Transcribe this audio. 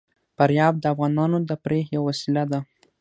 فاریاب د افغانانو د تفریح یوه وسیله ده.